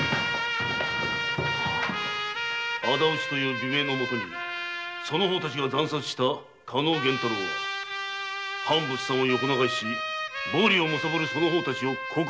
仇討ちという美名の下にその方たちが惨殺した加納源太郎は藩物産を横流しし暴利をむさぼるその方たちを告発せんとした男。